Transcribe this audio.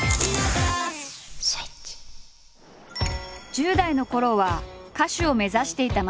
１０代のころは歌手を目指していた松下。